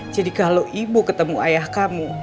jadi kalau ibu ketemu ayah kamu